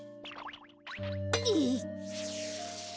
えい。